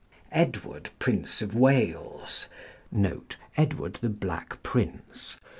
] Edward, Prince of Wales [Edward, the Black Prince. D.